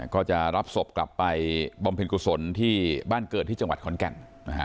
ก็จะรับศพกลับไปบำเพ็ญกุศลที่บ้านเกิดที่จังหวัดขอนแก่น